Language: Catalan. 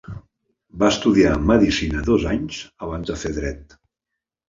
Va estudiar medicina dos anys abans de fer dret.